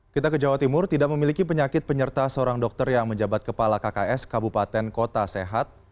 kita ke jawa timur tidak memiliki penyakit penyerta seorang dokter yang menjabat kepala kks kabupaten kota sehat